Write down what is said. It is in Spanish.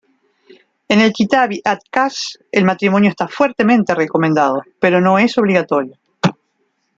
En el Kitáb-i-Aqdas el matrimonio está fuertemente recomendado, pero no es obligatorio.